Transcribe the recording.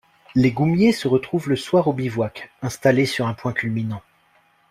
Les goumiers se retrouvent le soir au bivouac, installé sur un point culminant.